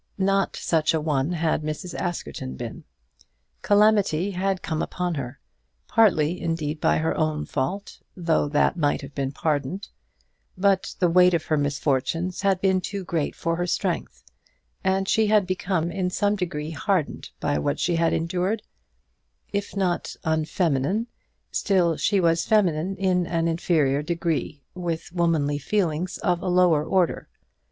Not such a one had Mrs. Askerton been. Calamity had come upon her; partly, indeed, by her own fault, though that might have been pardoned; but the weight of her misfortunes had been too great for her strength, and she had become in some degree hardened by what she had endured; if not unfeminine, still she was feminine in an inferior degree, with womanly feelings of a lower order.